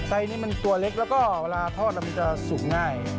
ไอนี่มันตัวเล็กแล้วก็เวลาทอดแล้วมันจะสุกง่าย